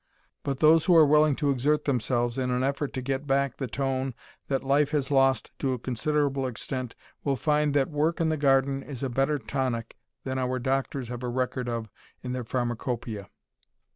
But those who are willing to exert themselves in an effort to get back the tone that life has lost to a considerable extent will find that work in the garden is a better tonic than our doctors have a record of in their pharmacopoeia.